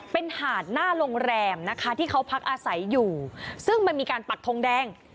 เป็นหาดหน้าโรงแรมนะคะที่เขาพักอาศัยอยู่ซึ่งมันมีการปักทงแดง